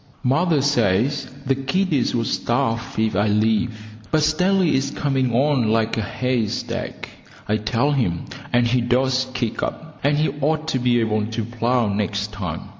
Mother says the kiddies would starve if I leave; but Stanley is coming on like a haystack, I tell him, and he does kick up, and he ought to be able to plough next time.